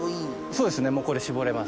そうですねこれ搾れます。